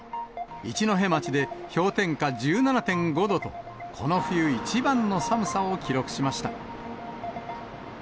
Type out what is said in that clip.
一戸町で氷点下１７．５度と、この冬一番の寒さを記録しました。